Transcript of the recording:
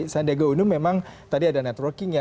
sandiaga unum memang tadi ada networkingnya